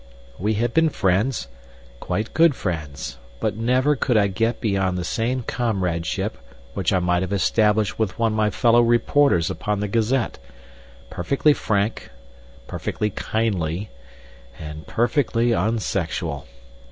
We had been friends, quite good friends; but never could I get beyond the same comradeship which I might have established with one of my fellow reporters upon the Gazette, perfectly frank, perfectly kindly, and perfectly unsexual.